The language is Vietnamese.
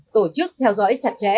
tổ chức theo dõi chặt chẽ